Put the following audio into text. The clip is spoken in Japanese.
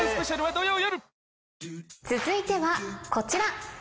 続いてはこちら。